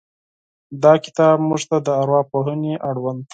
دا کتاب موږ ته د ارواپوهنې اړوند